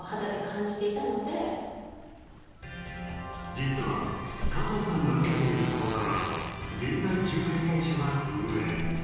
実は、加藤さんが受けている講座は人材仲介会社が運営。